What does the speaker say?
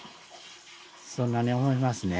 そんなに思いますね。